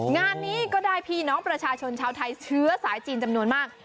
งานนี้ก็ได้พี่น้องประชาชนชาวไทยเชื้อสายจีนจำนวนมาก